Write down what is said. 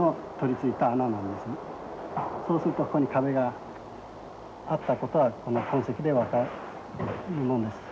そうするとここに壁があったことはこの痕跡で分かるのです。